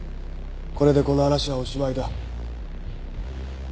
これでこの話はおしまいだ。